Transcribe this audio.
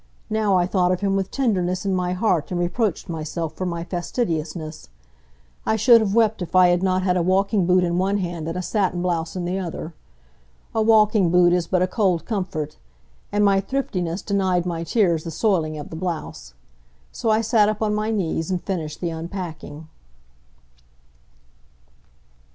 Now I thought of him with tenderness in my heart and reproached myself for my fastidiousness. I should have wept if I had not had a walking boot in one hand, and a satin blouse in the other. A walking boot is but a cold comfort. And my thriftiness denied my tears the soiling of the blouse. So I sat up on my knees and finished the unpacking.